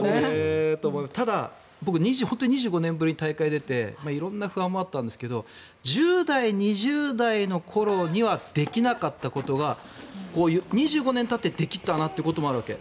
ただ、僕、本当に２５年ぶりに大会に出て色んな不安もあったんですが１０代、２０代の頃にはできなかったことが２５年たってできたなということもあるわけ。